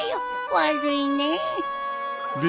悪いねえ。